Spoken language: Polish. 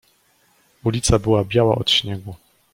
"Ulica była biała od śniegu."